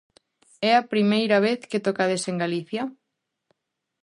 É a primeira vez que tocades en Galicia?